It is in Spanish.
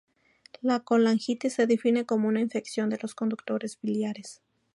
La colangitis se define como una infección de los conductos biliares.